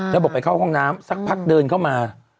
แล้วบอกไปเข้าห้องน้ำสักพักเดินเข้ามา